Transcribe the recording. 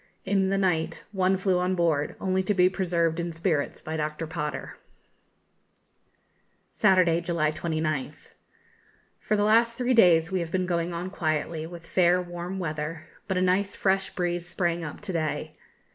In the night one flew on board, only to be preserved in spirits by Dr. Potter. Saturday, July 29th. For the last three days we have been going on quietly with fair, warm weather, but a nice fresh breeze sprang up to day.